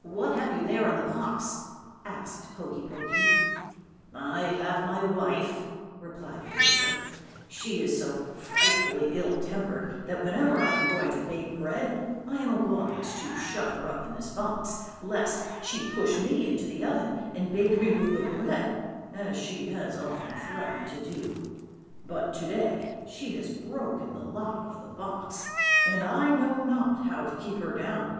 "'What have you there in the box?' asked Hokey Pokey. "'I have my wife,' replied the baker. 'She is so frightfully ill tempered that whenever I am going to bake bread I am obliged to shut her up in this box, lest she push me into the oven and bake me with the bread, as she has often threatened to do. But to day she has broken the lock of the box, and I know not how to keep her down.'